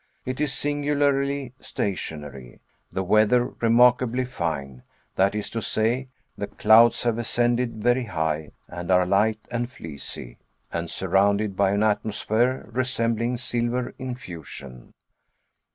It is singularly stationary. The weather remarkably fine; that is to say, the clouds have ascended very high, and are light and fleecy, and surrounded by an atmosphere resembling silver in fusion.